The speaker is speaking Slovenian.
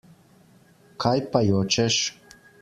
Kaj pa jočeš?